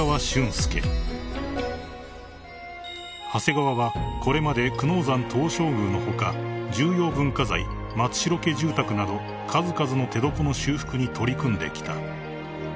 ［長谷川はこれまで久能山東照宮の他重要文化財松城家住宅など数々の手床の修復に取り組んできた］